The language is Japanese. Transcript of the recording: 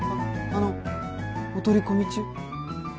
あのお取り込み中？